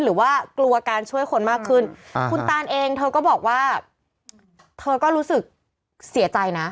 หรือว่ากลัวการช่วยคนมากขึ้นคุณตานเองเธอก็บอกว่าเธอก็รู้สึกเสียใจนะ